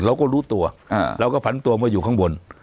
เราก็รู้ตัวเราก็ผันตัวมาอยู่ข้างบน